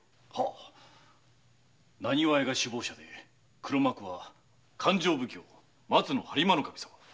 浪花屋が主謀者で黒幕は勘定奉行・松野播磨守様です。